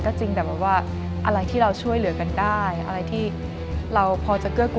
พลอยเชื่อว่าเราก็จะสามารถชนะเพื่อนที่เป็นผู้เข้าประกวดได้เหมือนกัน